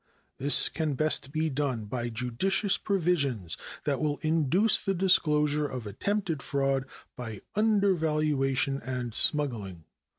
This can best be done by judicious provisions that will induce the disclosure of attempted fraud by undervaluation and smuggling.